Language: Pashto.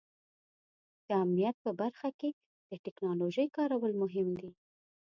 د امنیت په برخه کې د ټیکنالوژۍ کارول مهم دي.